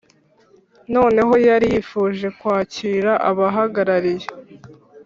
noneho yari yifuje kwakira abahagarariye